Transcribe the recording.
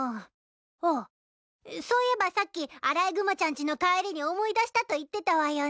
あっそういえばさっきアライグマちゃんちの帰りに思い出したと言ってたわよね。